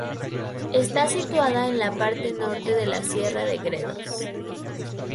Está situada en la parte norte de la sierra de Gredos.